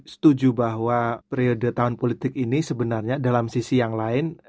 setuju bahwa periode tahun politik ini sebenarnya dalam sisi yang lain